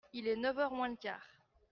Il est neuf heures moins le quart.